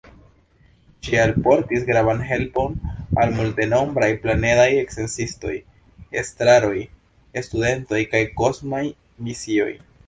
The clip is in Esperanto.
Ŝi alportis gravan helpon al multenombraj planedaj sciencistoj, estraroj, studentoj kaj kosmaj misioj.